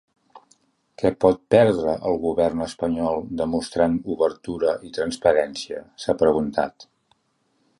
Què pot perdre el govern espanyol demostrant obertura i transparència?, s’ha preguntat.